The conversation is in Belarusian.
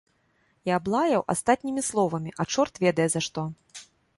І аблаяў астатнімі словамі, а чорт ведае за што.